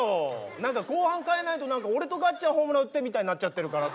何か後半変えないと何か俺とガッちゃんホームラン打ってみたいになっちゃてるからさ。